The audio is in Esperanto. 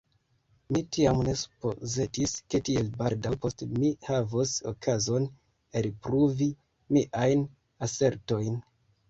Mi tiam ne supozetis, ke tiel baldaŭ poste mi havos okazon elpruvi miajn asertojn.